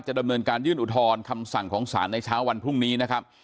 ดำเนินการยื่นอุทธรณ์คำสั่งของศาลในเช้าวันพรุ่งนี้นะครับ